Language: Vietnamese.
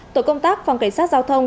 tổ công tác phòng kiểm soát giao thông